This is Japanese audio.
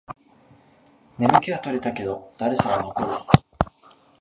眠気は取れたけど、だるさは残る